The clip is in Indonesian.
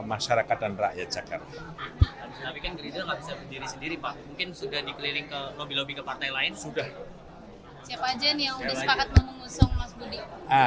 masyarakat dan rakyat jakarta